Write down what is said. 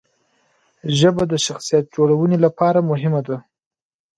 ژبه د شخصیت جوړونې لپاره مهمه ده.